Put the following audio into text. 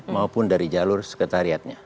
maupun dari jalur sekretariatnya